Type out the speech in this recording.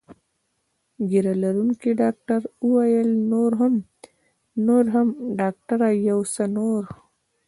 ږیره لرونکي ډاکټر وویل: نور هم، نور هم، ډاکټره یو څه نور.